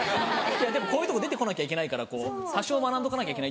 こういうとこ出て来なきゃいけないから多少学んどかなきゃいけない。